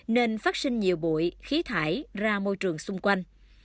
nên phát sinh nhiều bụi khí thải ra môi trường xung quanh